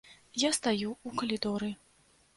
Я стаю ў калідоры.